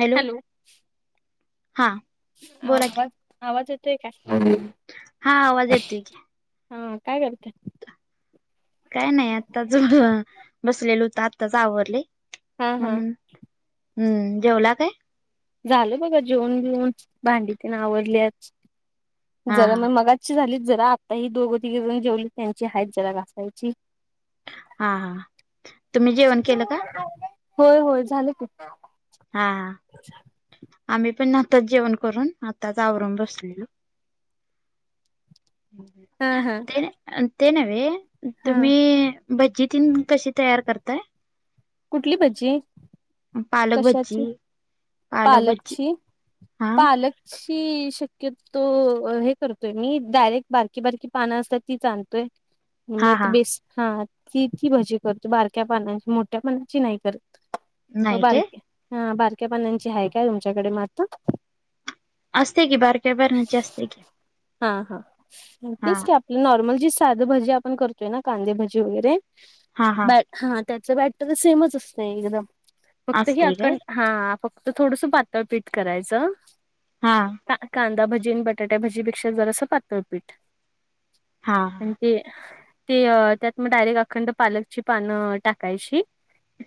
Hello हा बोला की आवाज, आवाज येतोय काय? हा आवाज येतोय की हा काय करते? काय नाही, आता च बसलेलो हुत आत्ताच आवरलय हा हा म्हणून हम्म जेवला काय? झाल बघा जेवुन बीऊन भाडी तेण आवरली आज हा जरा हा मि मगाच ची झालीत जरा आता ही दोघं तिघं जण जेवले त्यांची हाइत जरा घासायची. हा हा. तुम्ही जेवण केलं का होय होय झालं की हा. आम्ही पण आताच जेवण करून आताच आवरून बसलेलो. [inaudible] हा, हा. ते, ते नव्हे, हा तुम्ही भजी तीन कशी तयार करताय? कुठली भजी? पालक भजी. कशाची पालकची, पालक शी शक्यतो हे करतोय मी, डायरेक्ट बारकी, बारकी पानं असतात तीच आणतोय. [inaudible] मग ते बेस हा ती, ती भाजी करतो बारक्या पानाची, मोठ्या पानाची नाही करत. व नाही काय बारक हा बारक्या पानांची आहे काय तुमच्याकडे म आता? असत्या की, बारक्या बारण्याची असत्या की. हा, हा, हा तेच की, आपलं नॉर्मल जी साध भजी आपण करतोय ना कांदेभजी वगैरे बॅ हा, त्याच बॅटर सेमच असतय एकदम, फक्त हे असते काय अकं हा, फक्त थोडसं पातळ पीठ करायचं. हा. कांदा भजी आणि बटाट्या भजीपेक्षा जरासं पातळपीठ. हा. आणि ते, ते त्यात मग डायरेक्ट आखंड पालकची पानं टाकायची.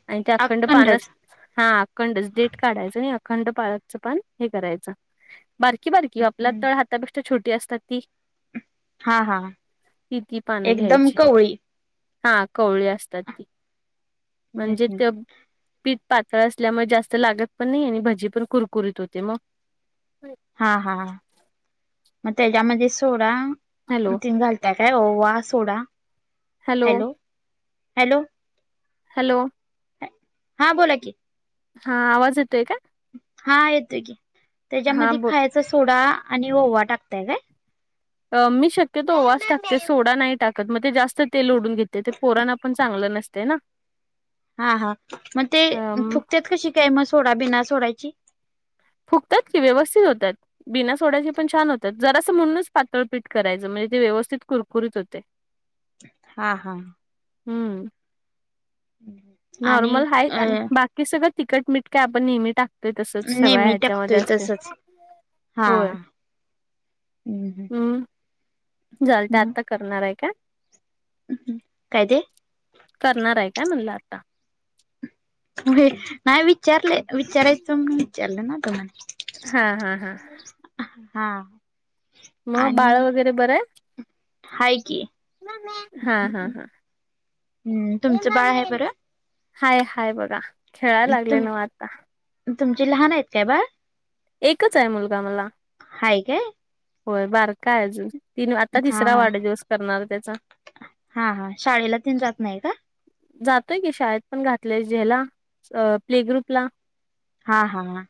आणि ते आखंड पानस अखंडच हा अखंडच काढायच आणि आखंड पाळच पान हे करायचं, बारकी-बारकी आपला हम्म तळहात पेक्षा छोटी असतात ती. हा, हा, हा ती ती पानं एकदम घ्यायची कवळी. हा कवळी असतात ती, म्हणजे ते पीठ पातळ असल्यामुळे जास्त लागत पण नाही आणि भजी पण कुरकुरीत होते मग. हा, हा, हा, मग त्याच्यामध्ये सोडा हॅलो ती घाल त्या काय, ओवा, सोडा. हॅलो? हॅलोे? हॅलोे? हां बोला की. हा आवाज येतोय का? हा, येतोय की, हा त्याच्यामध्ये बोल खायचा सोडा आणि ओवा टाकताय काय? मी शक्यतो ओवाच टाकते, सोडा नाही टाकत मग ते जास् स्त तेल ओडून घेतय ते, पोराना पण चांगलं नसते ना. हा, हा मग ते फुकत्यात कशी काय सोडा मग बिना सोडाची? फुगत्यात की व्यवस्थित होत्यात. बिना सोड्याचे पण छान होतात, जरासं म्हणूनच पातळ पीठ करायचं, म्हणजे ते व्यवस्थित कुरकुरीत होते. हा, हा. हम्म, आणि नॉर्मल हाय अ आणि बाक की सगळं तिखट, मिठ काय आपण नेहमी टाकतोय तसंच. सगळ्या नेहमी टाकतोय ह्याच्यामध्ये असते, तसच हा होय. हम्म. झालत आता करणार आहे का? काय ते? करणार आहे काय म्हणला आता? नाही विचारले, विचारायचं म्हणून विचारलं ना तुम्हाला. हा हा हा. हा. म बाळ आणि वगैरे बरं आहे? हाय की. हा हा हा. तुमचं बाळ आहे बरं? हाय हाय बघा. खेळायला लागले तुम ना आता. तुमचे लहान आहेत काय बाळ? एकच आहे मुलगा मला. हाय काय. होय बारका आहे अजून. तीन आता हा तिसरा हा वाढदिवस करणार त्याचा. हा हा शाळेला तीन जात नाही का? जातोय की शाळेत पण घातलंय ज्याला, अ प्ले ग्रुपला. हा हा हा.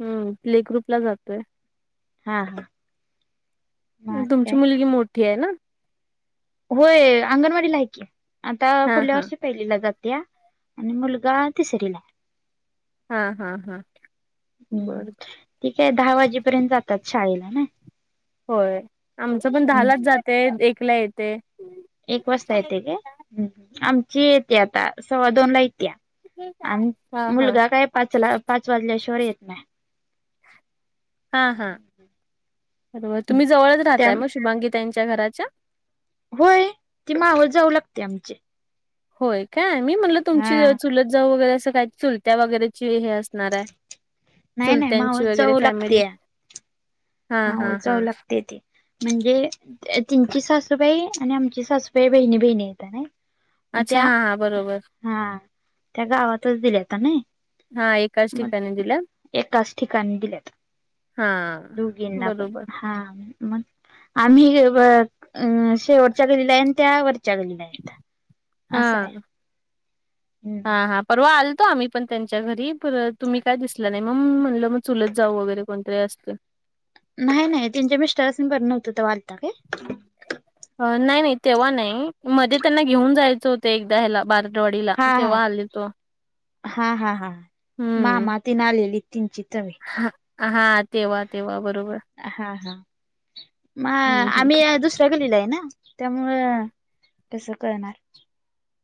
हम्म प्ले ग्रुपला जातोय. हा हा मग आणि काय तुमची मुलगी मोठी आहे ना? होय अंगणवाडीला आहे की, आता हा पुढल्या हा वर्ष. पहिलीला जातीया आणि मुलगा तिसरीला. हा हा हा. बर. ईथे आहे दहा वाजेपर्यंत जातात शाळेला ना. होय आमचं पण दहालाच हम्म जातेय, एकला येते. एक वाजता येते काय? आमची येते आता सव्वा दोनला येती या. आणि हा हा मुलगा काय पाचला पाच वाजल्याशिवाय येत नाही. हा हा. म हम्म. तुम्ही जवळच त्या राहताय मग शुभांगी ताईंच्या घराच्या? होय ती मावस जाऊ लागते आमची. होय काय? मी म्हणलं तुमची हा चुलत जाऊ वगैरे असं काय चुलत्या वगैरेची हे अस- णारे. नाही नाही चुलत्यांची माऊस वगैरे फॅमिली. हा हा मावस हा जाऊ लागते ती. म्हणजे त्यांची सासूबाई आणि आमची सासूबाई बहिणी बहिणी येता ना. म अच्छा त्या. हा हा बरोबर हा. त्या गावातच दिल्यात ना, हा एकाच मग ठिकाणी दिल्या एकाच ठिकाणी दिल्यात. हा. दोघींना पण. बरोबर हा मग. आम्ही हे बघ शेवटच्या गल्लीला आहे आणी त्या वरच्या गल्लीला आहेत. असं आहे ह. हा हम् हा. परवा आलतो आम्ही पण त्यांच्या घरी पर तुम्ही काय दिसला नाही म्हणून मी म्हणलं मग चुलत जाऊ वगैरे कोणतरी असल- नाही नाही त्यांच्या मिस्टरासन् बरं नव्हतं तव्हा आलता काय? नाही नाही तेव्हा नाही मध्ये त्यांना घेऊन जायचं होतं एकदा ह्याला बार दौडीला हा तेव्हा आलेतो. हा हा हा हा हम्म. मामा तीन आणलेली तिनची चव हे. हां. तेव्हा, तेव्हा बरोबर. हा हा. म हं, हं. आम्ही दुसऱ्या गल्लीला आहे ना त्यामुळं तस कळनार.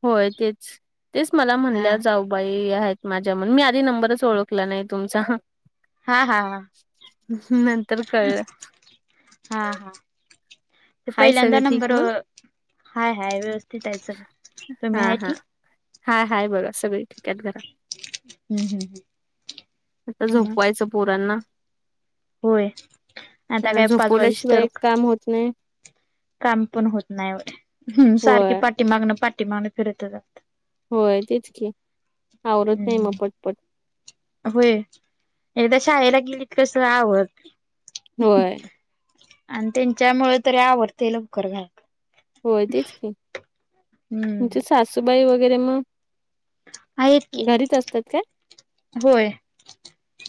होय तेच. तेच मला हा म्हणल्या जाऊ- बाई आहेत माझ्या म्हणून, मी आधी नंबरच ओळखला नाही तुमचा ह हा हा हा ह. नंतर कळलं. हा हा. तर हाय पहिल्यांदा सगळं ठीक नंबर, मग? हाय- हाय व्यवस्थित आहे सगळ तु्ही हां, हां. आहेती. हाय- हाय बोला सगळी. [unintelligible] हम्म हम्म आता मग झोपवायचं पोरांना. होय आता त्यांना काय पाच वाजेस तर झोपवल्याशिवाय काम होत नाही. काम पण होत नाही, सारखी होय, पाठी मागणं पाठी मागणं फिरत. [unintelligible] होय, तेच की. आवरत नाही हम्म मग ह. पटपट. होय, एकदा शाळेला गेलीत कस आवत होय. आणि त्यांच्यामुळे तरी आवरतय लवकर घरात. होय तेच की, तुमची हम्म सासूबाई वगैरे मग. आहेत की घरीच असतात का? होय,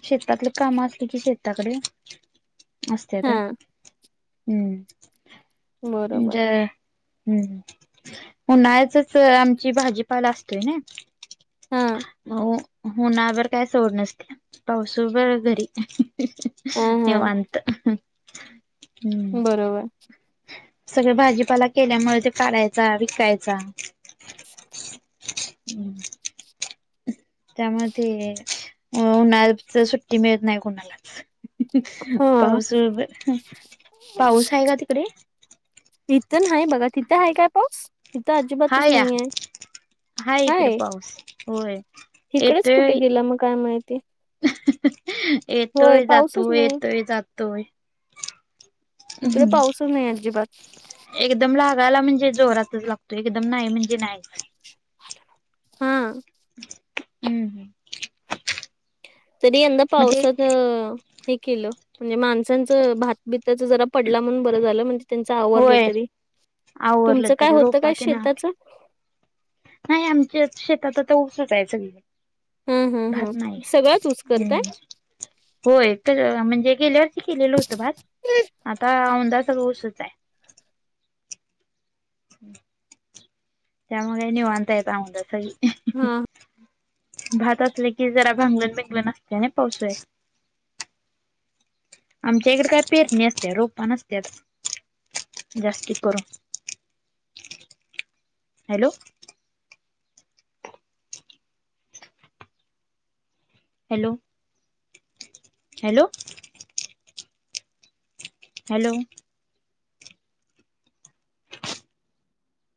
शेतातले काम असले कि शेताकडे असतेत, हा हू. बरोबर [unintelligible] ह, उन्हाळ्याचच आमची भाजीपाला असतोय ना. हा अ. उन्हावर काय सोड नसते [unintelligible] घरी. हा [unintelligible] हा निवांत. बरोबर. सगळ भाजीपाला केल्यामुळे ते काढायचा विकायचा. हम्म. त्यामध्ये उन्हाळच सुट्टी मिळत नाही कोणालाच. [unintelligible] हा पाऊस आहे का तिकडे? इथं ना बघा तिथं आहे काय पाऊस इथं अजिबातच हा या नाही आहे? हा इकडे हाय. पाऊस होय. हिकडेच कुठे येतोय गेला मग काय माहिती. [unintelligible] होय येतोय जातो, पाऊसच नाही येतोय जातोय. हिकडे पाऊसच नाही अजिबात. एकदम लागायला म्हणजे जोरातच लागतो, एकदम नाही म्हणजे नाही. हां. हम्म हम्. तरी यंदा पावसात, हे केलं म्हणजे [unintelligible] त्यांचं भातबीताच जरा पडला म्हणून बरं झालं, म्हणजे त्यांच आवरलं होय तरी. आवरलं तुमचं काय तरी होतं काय रोपात ना. शेताचं? नाही आमच्या शेतात आता ऊसच हाय सगळ. हा हा हा भात नाही, सगळंच ऊस करताय म् होयच म्हणजे. [unintelligible] [unintelligible] केलेल होतं भात, आता औंंदा सगळ ऊसच हाय. हम्म त्यामुळे निवांत येत औंदा सगळी. हम. भात असले की जरा भांगल- बिंगल नसते ना पावसाळ्यात. आमच्या इकडे काय पेरणी असते रोप नस्त्यात. जास्ती. [unintelligible] हॅलो. हॅलो. Hello hello